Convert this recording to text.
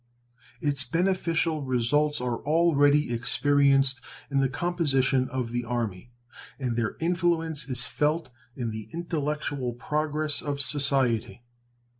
Its beneficial results are already experienced in the composition of the Army, and their influence is felt in the intellectual progress of society.